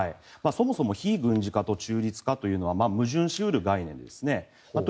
そもそも非軍事化と中立化というのは矛盾し得る概念ですね。